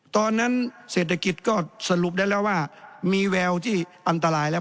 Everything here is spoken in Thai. ตอนนั้นเศรษฐกิจก็สรุปได้แล้วว่ามีแววที่อันตรายแล้ว